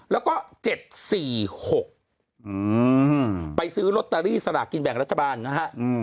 ๓๔๖๗๑๐๑๕๐๑๕๓แล้วก็๗๔๖ไปซื้อโรตตารีสลากกินแบ่งรัฐบาลนะฮะ